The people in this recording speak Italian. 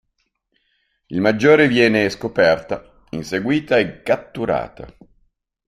Il maggiore viene scoperta, inseguita e catturata.